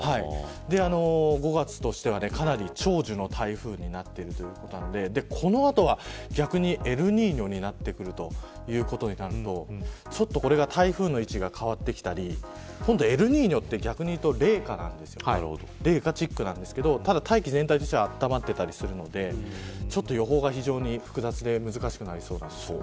５月としてはかなり長寿の台風になっているということでこの後は逆にエルニーニョになってくるということになると台風の位置が変わってきたりエルニーニョって逆に言うと、冷夏なんですけど大気全体としては温まっていたりするので予報が非常に複雑で難しくなりそうです。